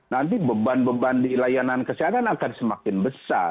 nanti beban beban di layanan kesehatan akan semakin besar